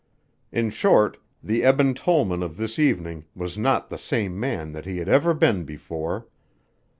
In short, the Eben Tollman of this evening was not the same man that he had ever been before.